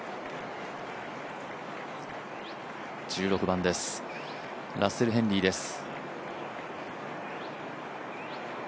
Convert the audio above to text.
１６番です、ラッセル・ヘンリーです。